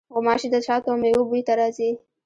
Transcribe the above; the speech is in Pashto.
غوماشې د شاتو او میوو بوی ته راځي.